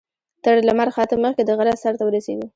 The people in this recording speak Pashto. تر لمر خاته مخکې د غره سر ته ورسېږو.